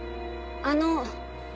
あの。